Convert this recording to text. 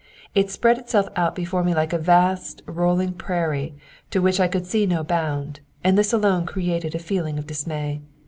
It spread itself out before me like a vast, rolling prairie, to which I could see no bound, and this alone created a feeling of dismay.